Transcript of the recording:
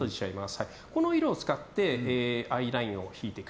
この色を使ってアイラインを引いていく。